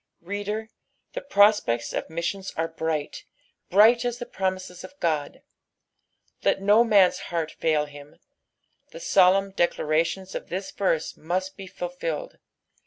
Reader, the prospects of missions are bright, bri)^ht as the promises of Ood. Let no man's heart fail him ; the solemn declarations of this verse must be fulfilled.